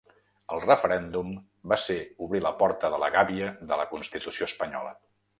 El referèndum va ser obrir la porta de la gàbia de la constitució espanyola.